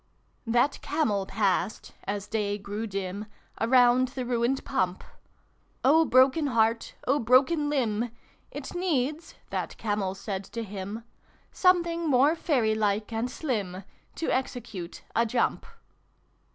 That Camel passed, as Day grew dim Around the ruined Pump. " O broken heart ! O broken limb ! ft needs" that Camel said to him, " Something more fairy like and slim, To execute a jump